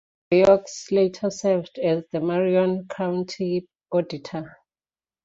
Breaux later served as the Marion County Auditor.